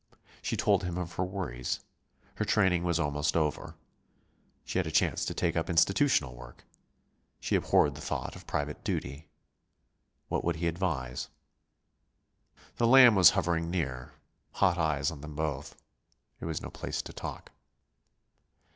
She told him of her worries. Her training was almost over. She had a chance to take up institutional work. She abhorred the thought of private duty. What would he advise? The Lamb was hovering near, hot eyes on them both. It was no place to talk.